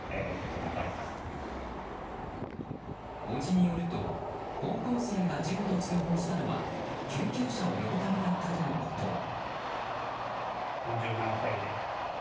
叔父によると高校生が事故と通報したのは救急車を呼ぶためだったとのこと。